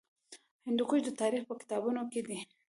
هندوکش د تاریخ په کتابونو کې دی.